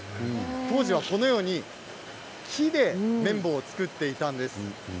当時はこのように木で綿棒を作っていたんです。